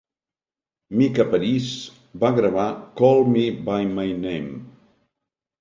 Mica Paris va gravar "Call Me by My Name".